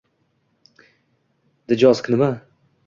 Djosg nima?